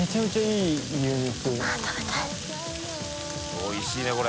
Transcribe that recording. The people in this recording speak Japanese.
おいしいねこれ。